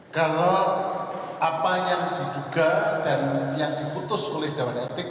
kalau apa yang diduga dan yang diputus oleh dewan etik